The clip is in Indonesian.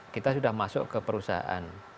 kita sudah masuk ke perusahaan